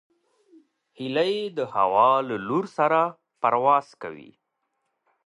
هیلۍ د هوا له لور سره پرواز کوي